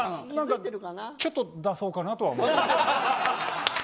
ちょっと出そうかなとは思ってます。